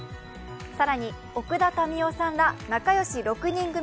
更に、奥田民生さんら仲良し６人組